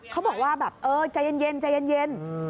เขาบอกว่าแบบเออใจเย็นเย็นใจเย็นเย็นอืม